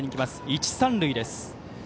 一、三塁です。